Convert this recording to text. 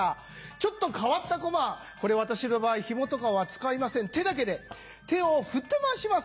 ちょっと変わったこまこれ私の場合ヒモとかは使いません手だけで手を振って回します。